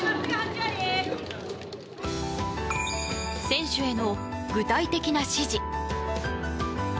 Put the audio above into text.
選手への具体的な指示。